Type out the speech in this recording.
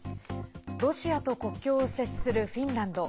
ロシアと国境を接するフィンランド。